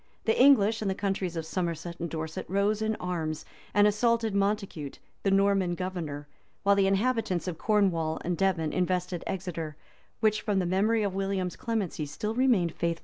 [] The English in the counties of Somerset and Dorset rose in arms, and assaulted Montacute, the Norman governor; while the inhabitants of Cornwall and Devon invested Exeter, which from the memory of William's clemency still remained faithful to him.